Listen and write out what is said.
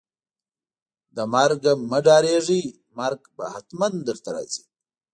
له مرګ مه ډاریږئ ، مرګ به ختمن درته راځي